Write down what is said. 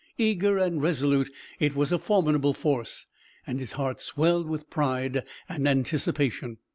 Eager and resolute it was a formidable force, and his heart swelled with pride and anticipation.